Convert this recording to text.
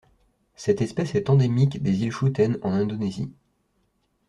Cette espèce est endémique des îles Schouten en Indonésie.